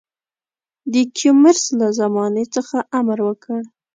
د کیومرث له زمانې څخه امر وکړ.